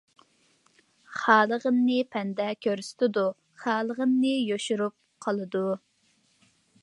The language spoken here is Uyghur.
خالىغىنىنى پەندە كۆرسىتىدۇ، خالىغىنىنى يوشۇرۇپ قالىدۇ.